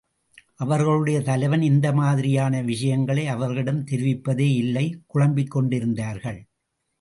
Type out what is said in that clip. அவர்களுடைய தலைவன் இந்த மாதிரியான விஷயங்களை அவர்களிடம் தெரிவிப்பதேயில்லை, குழம்பிக் கொண்டிருந்தார்கள்.